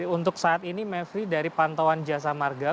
untuk saat ini mevri dari pantauan jasa marga